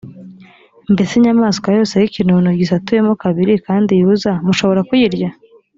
mbese inyamaswa yose y’ikinono gisatuyemo kabiri kandi yuza, mushobora kuyirya.